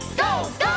ＧＯ！